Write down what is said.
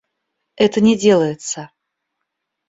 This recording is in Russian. Это не делается.